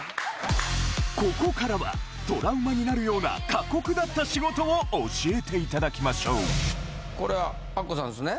ここからはトラウマになるような過酷だった仕事を教えていただきましょうこれはあっこさんですね。